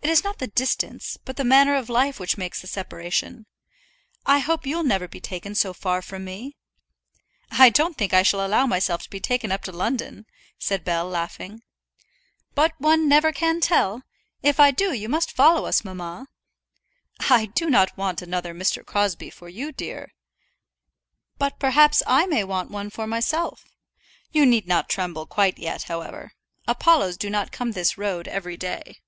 It is not the distance, but the manner of life which makes the separation. I hope you'll never be taken so far from me." "I don't think I shall allow myself to be taken up to London," said Bell, laughing. "But one can never tell. If I do you must follow us, mamma." "I do not want another Mr. Crosbie for you, dear." "But perhaps I may want one for myself. You need not tremble quite yet, however. Apollos do not come this road every day."